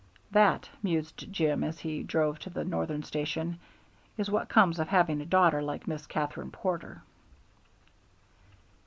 "That," mused Jim as he drove to the Northern Station, "is what comes of having a daughter like Miss Katherine Porter."